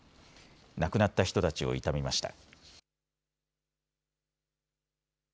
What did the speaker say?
亡くなった人たちを悼みました。